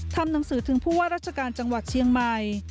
ทำหนังสือถึงผู้ว่าราชการจังหวัดเชียงใหม่